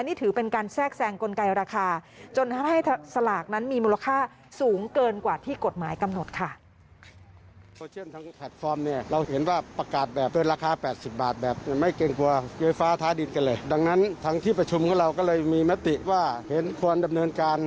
นี่ถือเป็นการแทรกแซงกลไกราคาจนทำให้สลากนั้นมีมูลค่าสูงเกินกว่าที่กฎหมายกำหนดค่ะ